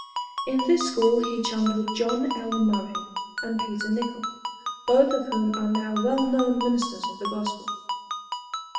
In this school he chummed with John L. Murray and Peter Nichol, both of whom are now well known ministers of the Gospel.